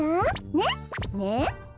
ねっねえ？